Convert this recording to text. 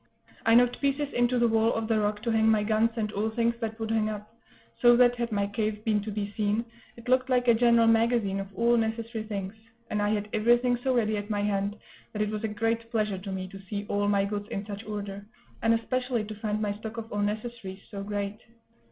I knocked pieces into the wall of the rock to hang my guns and all things that would hang up; so that, had my cave been to be seen, it looked like a general magazine of all necessary things; and I had everything so ready at my hand that it was a great pleasure to me to see all my goods in such order, and especially to find my stock of all necessaries so great.